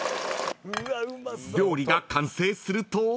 ［料理が完成すると］